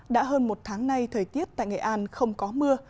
đã hơn một tháng nay thời tiết tại nghệ an không có mưa